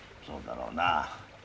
そうだろうな。